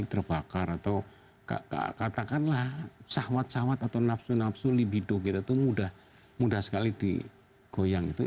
ada beberapa faktor yang membuat kita mudah sekali terbakar atau katakanlah sahwat sahwat atau nafsu nafsu libido kita itu mudah sekali digoyang